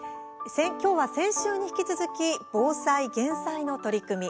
今日は先週に引き続き防災・減災の取り組み